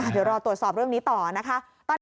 เดี๋ยวรอตรวจสอบเรื่องนี้ต่อนะคะ